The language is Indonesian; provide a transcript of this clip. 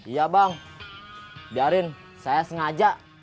iya bang biarin saya sengaja